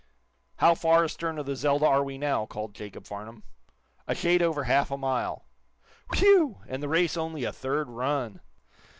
"How far astern of the 'Zelda' are we now?" called Jacob Farnum. "A shade over a half a mile." "Whew! And the race only a third run."